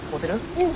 うん。